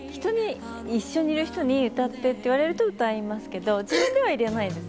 一緒にいる人に歌ってって言われたら歌いますけど、自分では入れないです。